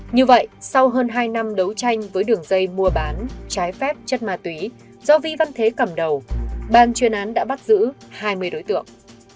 như vậy sau hơn hai năm đấu tranh với đường dây mua bán trái phép chất ma túy do vi văn thế cầm đầu ban chuyên án đã bắt giữ hai mươi đối tượng